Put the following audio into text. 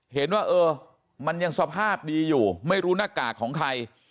เห็นว่าเออมันยังสภาพดีอยู่ไม่รู้หน้ากากของใคร